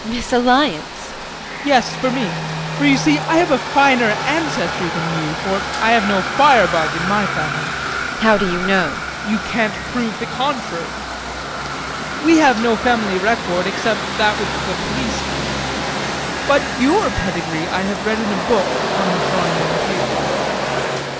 Misalliance! JEAN. Yes, for me. For you see I have a finer ancestry than you, for I have no fire bug in my family. JULIE. How do you know? JEAN. You can't prove the contrary. We have no family record except that which the police keep. But your pedigree I have read in a book on the drawing room table.